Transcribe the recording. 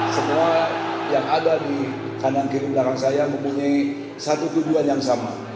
semua yang ada di kanan kiri belakang saya mempunyai satu tujuan yang sama